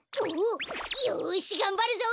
よしがんばるぞ！